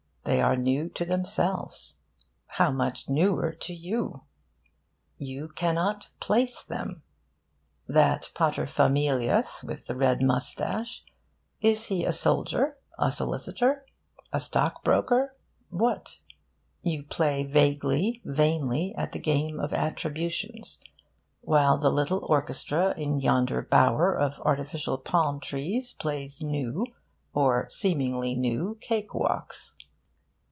They are new to themselves. How much newer to you! You cannot 'place' them. That paterfamilias with the red moustache is he a soldier, a solicitor, a stockbroker, what? You play vaguely, vainly, at the game of attributions, while the little orchestra in yonder bower of artificial palm trees plays new, or seemingly new, cake walks.